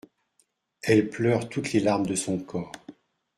elle pleure toutes les larmes de son corps